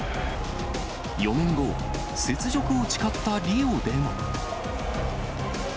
４年後、雪辱を誓ったリオでも。